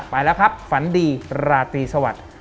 ไปแล้วครับฝันดีราตรีสวัสดิ์